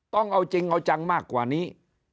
ต้องเอาจริงเอาจังมากกว่านี้